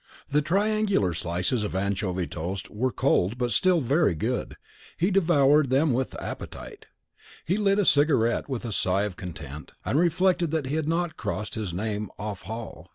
The triangular slices of anchovy toast were cold but still very good, and he devoured them with appetite. He lit a cigarette with a sigh of content, and reflected that he had not crossed his name off hall.